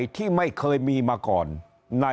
ครับขอบพระคุณครับเลขาธิการกรกตจะต้องปวดหัวมาก